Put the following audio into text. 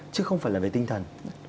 chứ không phải là về tinh thần